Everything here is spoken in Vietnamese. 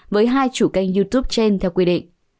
với hai chủ kênh youtube trên theo quy định